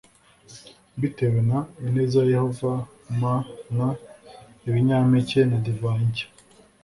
bitewe n ineza ya yehova m n ibinyampeke na divayi nshya